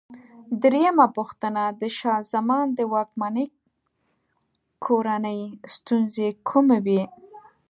درېمه پوښتنه: د شاه زمان د واکمنۍ کورنۍ ستونزې کومې وې؟